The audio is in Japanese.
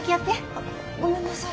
あっごめんなさい。